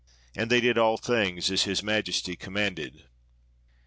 And they did all things as His Majesty commanded.